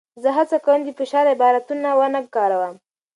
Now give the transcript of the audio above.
زه هڅه کوم د فشار عبارتونه ونه کاروم.